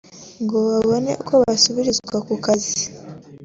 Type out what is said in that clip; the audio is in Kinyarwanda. ngo babone uko basubirazwa ku kazi